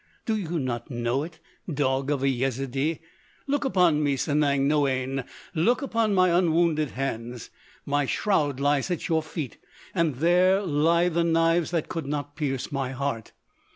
Do you not know it, dog of a Yezidee? Look upon me, Sanang Noïane! Look upon my unwounded hands! My shroud lies at your feet. And there lie the knives that could not pierce my heart!